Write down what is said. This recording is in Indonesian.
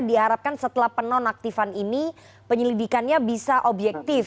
diharapkan setelah penonaktifan ini penyelidikannya bisa objektif